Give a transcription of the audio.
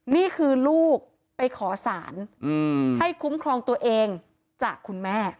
นี่คือลูกไปขอสารให้คุ้มครองตัวเองจากคุณแม่